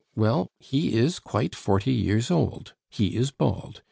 Well, he is quite forty years old; he is bald.